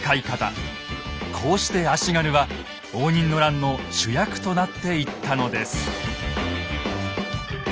こうして足軽は応仁の乱の主役となっていったのです。